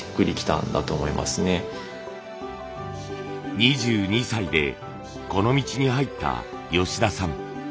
２２歳でこの道に入った吉田さん。